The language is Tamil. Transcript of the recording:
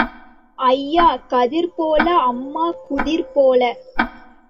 ஐயா கதிர் போல அம்மா குதிர் போல.